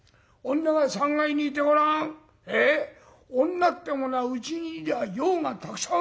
女ってものはうちにいりゃ用がたくさんあるんだよ。